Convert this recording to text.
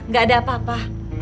gak ada apa apa